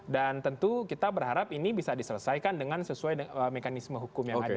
dan tentu kita berharap ini bisa diselesaikan dengan sesuai mekanisme hukum yang ada